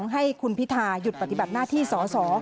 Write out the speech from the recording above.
ให้คุณพิทาหยุดปฏิบัติหน้าที่สอสอ